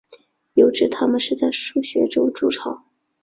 有指它们是在树穴中筑巢。